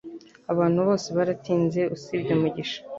Abantu bose baratinze, usibye Mugisha